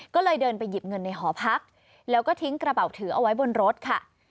ก็เลยเดินไปหยิบเงินในหอพักแล้วก็ทิ้งกระเป๋าถือเอาไว้บนรถค่ะ